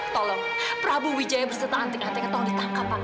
tolong prabu jaya berserta anting anting atau ditangkap pak